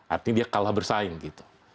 artinya dia kalah bersaing gitu